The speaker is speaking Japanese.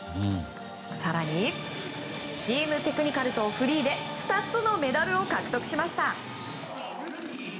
更に、チームテクニカルとフリーで２つのメダルを獲得しました。